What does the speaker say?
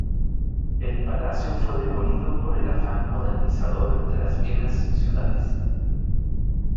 El palacio fue demolido por el afán modernizador de las viejas ciudades.